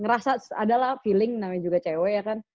ngerasa ada lah feeling namanya juga cewe ya kan